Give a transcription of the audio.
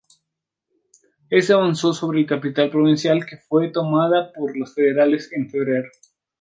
Éste avanzó sobre la capital provincial, que fue tomada por los federales en febrero.